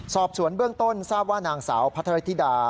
สอบสวนเบื้องต้นทราบว่านางสาวพัทรธิดา